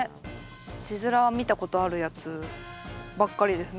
字面は見たことあるやつばっかりですね。